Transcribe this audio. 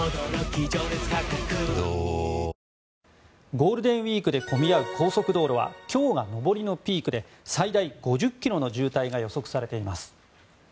ゴールデンウィークで混み合う高速道路は今日が上りのピークで最大５０ｋｍの渋滞が予測されています。